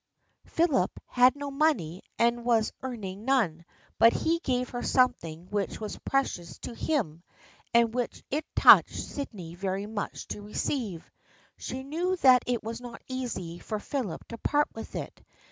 Philip had no money and was earning none, but he gave her something which was very precious to him, and which it touched Sydney very much to receive. She knew that it was not easy for Philip to part with it.